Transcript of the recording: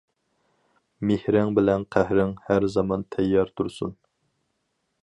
مېھرىڭ بىلەن قەھرىڭ ھەر زامان تەييار تۇرسۇن!